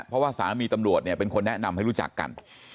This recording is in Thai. เพราะว่าสามีตำรวจเนี่ยเป็นคนแนะนำให้รู้จักกัน